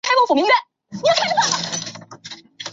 富查伊拉酋长国酋长